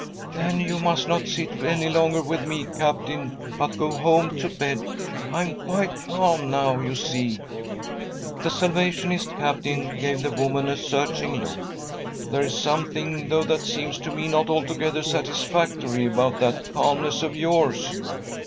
"Then you must not sit any longer with me, Captain, but go home to bed. I am quite calm now, you see." The Salvationist Captain gave the woman a .searching look. " There's something, though, that seems to me not altogether satisfactory about that calmness of yours."